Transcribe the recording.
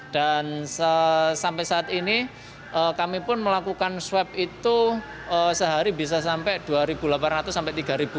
dan sampai saat ini kami pun melakukan swab itu sehari bisa sampai dua delapan ratus sampai tiga lima ratus